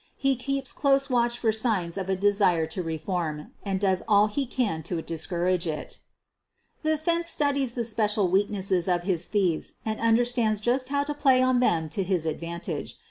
He keeps close watch for signs of a de sire to reform, and does all he can to discourage it The "fence" studies the special weaknesses of his thieves and understands just how to play on them to his advantage.